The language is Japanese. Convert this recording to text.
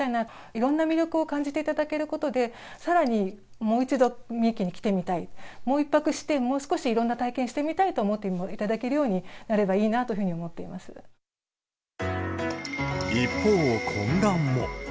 いろんな魅力を感じていただけることで、さらにもう一度、三重県に来てみたい、もう１泊して、もう少しいろんな体験してみたいと思っていただけるようになれば一方、混乱も。